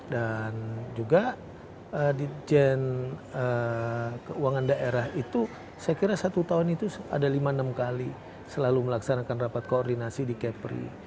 dan juga di jnu keuangan daerah itu saya kira satu tahun itu ada lima enam kali selalu melaksanakan rapat koordinasi di kepri